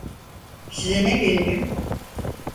Size ne vereyim?